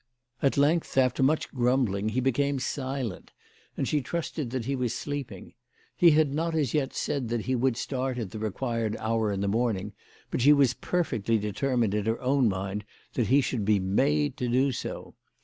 At length, aftei* much grum bling, he became silent, and she trusted that he was CHRISTMAS AT THOMPSON HALL. 227 sleeping. He had not as yet said that he would start at the required hour in the morning, but she was per fectly determined in her own mind that he should be made to do so.